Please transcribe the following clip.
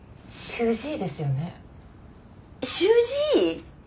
主治医！？